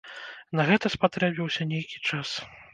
На гэта спатрэбіўся нейкі час.